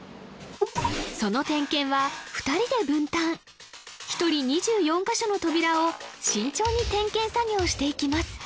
その点検は２人で分担１人２４カ所の扉を慎重に点検作業していきます